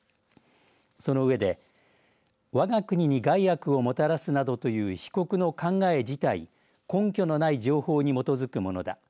その上で、わが国に害悪をもたらすなどという被告の考え自体根拠のない情報に基づくものだ。